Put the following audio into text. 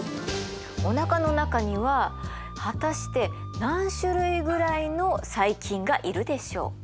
おなかの中には果たして何種類ぐらいの細菌がいるでしょうか？